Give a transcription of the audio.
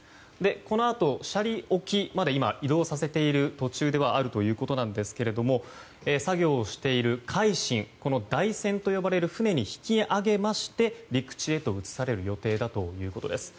このあと斜里沖まで移動させている途中ではあるということなんですけれども作業をしている「海進」台船と呼ばれる船に引き揚げまして陸地へと移される予定だということです。